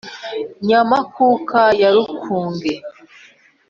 nyamakuka ya rukuge,